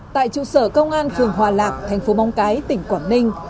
tại trụ sở công an phường hòa lạc thành phố móng cái tỉnh quảng ninh